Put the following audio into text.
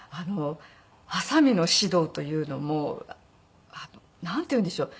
ハサミの指導というのもなんていうんでしょう。